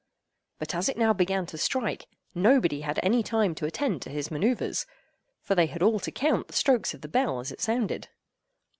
But as it now began to strike, nobody had any time to attend to his manœuvres, for they had all to count the strokes of the bell as it sounded.